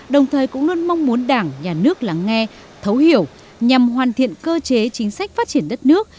đồng thời cũng luôn mong muốn đảng nhà nước lắng nghe thấu hiểu nhằm hoàn thiện cơ chế chính sách phát triển đất nước